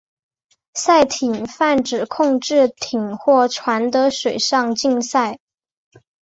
赛艇泛指控制艇或船的水上竞赛。